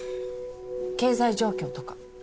経済状況とか。